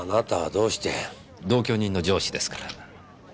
同居人の上司ですから。